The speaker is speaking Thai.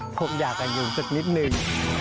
พวกยากันอยู่สักนิดนึง